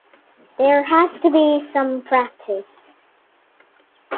There has to be some practice.